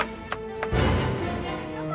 nggak jangan jangan